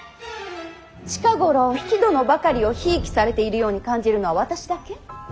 近頃比企殿ばかりをひいきされているように感じるのは私だけ？